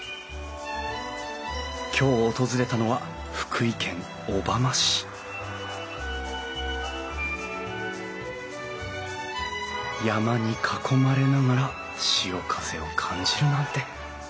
今日訪れたのは福井県小浜市山に囲まれながら潮風を感じるなんて。